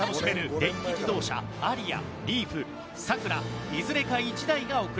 電気自動車アリアリーフサクラいずれか１台が贈られます。